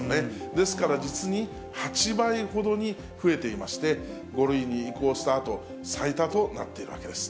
ですから実に８倍ほどに増えていまして、５類に移行したあと、最多となっているわけです。